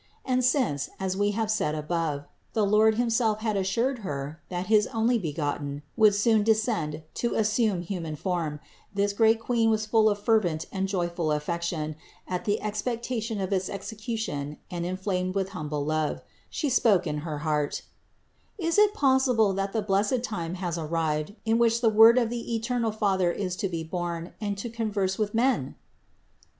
And since, as we have said above, the Lord himself had assured Her that his Onlybegotten would soon descend to assume human form, this great Queen was full of fervent and joyful affection in the ex pectation of its execution and inflamed with humble love, She spoke in her heart : "Is it possible that the blessed time has arrived, in which the Word of the eternal Father is to be born and to converse with men?